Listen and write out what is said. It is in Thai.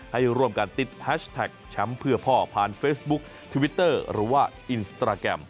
ให้ร่วมกันติดแฮชแท็กแชมป์เพื่อพ่อผ่านเฟซบุ๊คทวิตเตอร์หรือว่าอินสตราแกรม